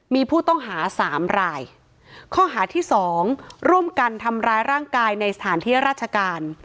มีผู้ต้องหาสามรายข้อหาที่สองร่วมกันทำร้ายร่างกายในสถานที่ราชการ